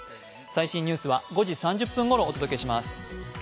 最新ニュースは５時３０分ごろお届けします。